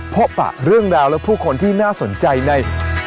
ปะเรื่องราวและผู้คนที่น่าสนใจใน